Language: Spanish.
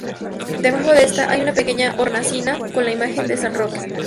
Debajo de este hay una pequeña hornacina con la imagen de san Roque.